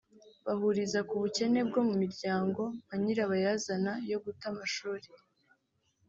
bahuriza ku bukene bwo mu miryango nka nyirabayazana yo guta amashuri